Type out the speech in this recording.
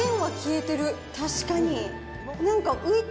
確かに。